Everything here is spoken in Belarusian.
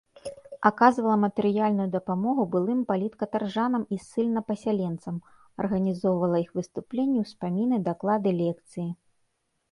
Аказвала матэрыяльную дапамогу былым паліткатаржанам і ссыльнапасяленцам, арганізоўвала іх выступленні, успаміны, даклады, лекцыі.